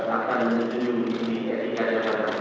akan menjunjung tinggi dedika jabatan